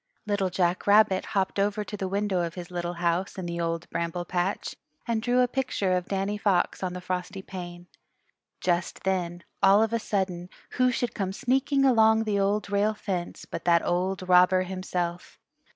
Little Jack Rabbit hopped over to the window of his little house in the Old Bramble Patch and drew a picture of Danny Fox on the frosty pane. Just then, all of a sudden, who should come sneaking along the Old Rail Fence but that old robber himself.